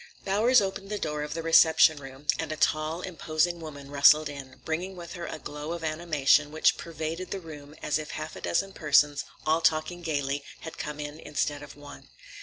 Bowers opened the door of the reception room and a tall, imposing woman rustled in, bringing with her a glow of animation which pervaded the room as if half a dozen persons, all talking gayly, had come in instead of one.